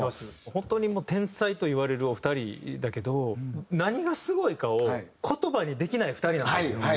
本当に天才といわれるお二人だけど何がすごいかを言葉にできない２人なんですよ。